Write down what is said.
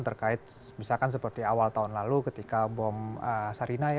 terkait misalkan seperti awal tahun lalu ketika bom sarina ya